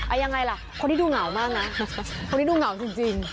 ยังไงล่ะคนที่ดูเหงามากนะคนนี้ดูเหงาจริง